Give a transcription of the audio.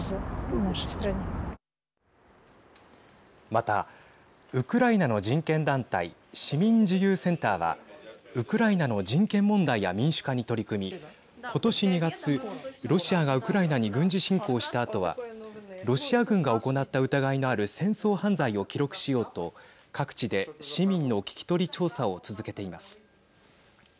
また、ウクライナの人権団体市民自由センターはウクライナの人権問題や民主化に取り組み今年２月、ロシアがウクライナに軍事侵攻したあとはロシア軍が行った疑いのある戦争犯罪を記録しようと各地で市民の聞き取り調査を続けています。